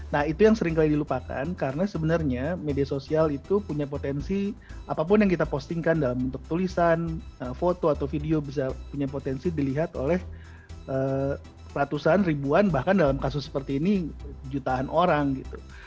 nah itu yang seringkali dilupakan karena sebenarnya media sosial itu punya potensi apapun yang kita postingkan dalam bentuk tulisan foto atau video bisa punya potensi dilihat oleh ratusan ribuan bahkan dalam kasus seperti ini jutaan orang gitu